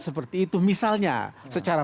seperti itu misalnya secara